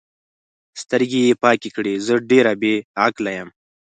سترګې یې پاکې کړې: زه ډېره بې عقله یم.